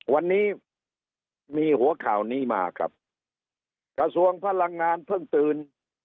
วันนี้มีหัวข่าวนี้มาครับกระทรวงพลังงานเพิ่งตื่น